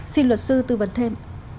các bác sư tư vấn thêm